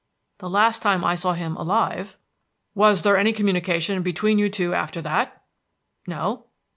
"The last time I saw him alive." "Was there any communication between you two after that?" "No."